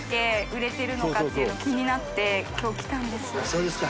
そうですか。